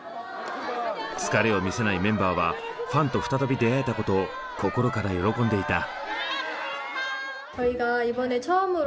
疲れを見せないメンバーはファンと再び出会えたことを心から喜んでいた。